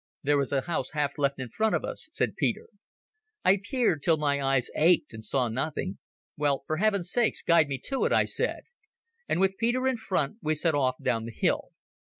"There is a house half left in front of us," said Peter. I peered till my eyes ached and saw nothing. "Well, for heaven's sake, guide me to it," I said, and with Peter in front we set off down the hill.